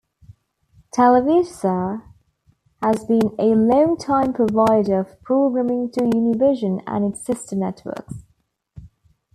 Televisa has been a longtime provider of programming to Univision and its sister networks.